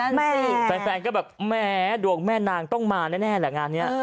แฟนก็แบบแหมดวงแม่นางต้องมาแน่แหละงานนี้